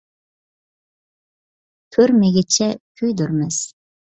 كۆرمىگۈچە كۆيدۈرمەس.